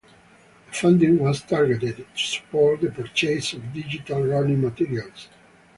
The funding was targeted to support the purchase of digital learning materials.